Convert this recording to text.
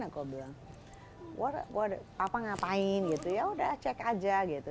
aku bilang papa ngapain gitu ya udah cek aja gitu